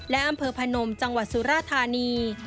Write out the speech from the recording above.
และอำเภอพนมจังหวัดสุราธานี